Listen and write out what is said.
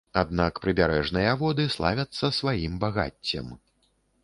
Аднак прыбярэжныя воды славяцца сваім багаццем.